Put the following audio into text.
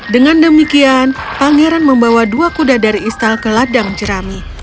dengan demikian pangeran membawa dua kuda dari istal ke ladang jerami